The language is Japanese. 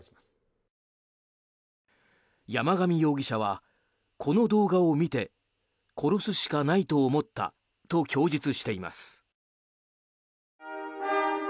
山上容疑者はこの動画を見て殺すしかないと思ったと供述しています。